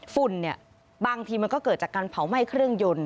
ฝุ่นเนี่ยบางทีมันก็เกิดจากการเผาไหม้เครื่องยนต์